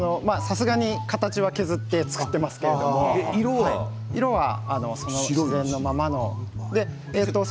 形は削って作っていますけれど色は自然のままです。